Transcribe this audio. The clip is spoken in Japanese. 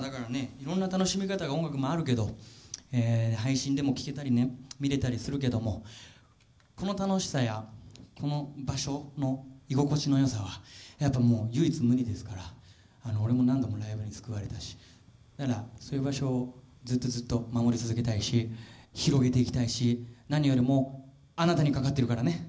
いろんな楽しみ方が音楽もあるけど配信でも聴けたりね見れたりするけどもこの楽しさやこの場所の居心地の良さはやっぱもう唯一無二ですから俺も何度もライブに救われたしだからそういう場所をずっとずっと守り続けたいし広げていきたいし何よりもあなたにかかってるからね。